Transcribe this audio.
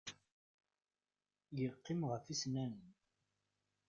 Yeqqim ɣef yisennanen.